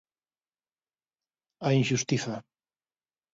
A inxustiza.